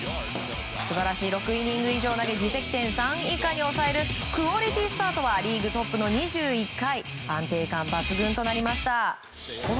素晴らしい６イニング以上投げ自責点３以下に抑えるクオリティースタートはリーグトップの２１回安定感抜群となりました。